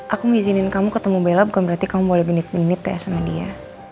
aku ngizinin kamu ketemu bella bukan berarti kamu boleh genit genit ya sama dia